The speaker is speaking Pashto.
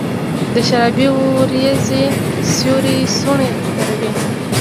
د شرابې اوریځو سیوري څوڼي خپروي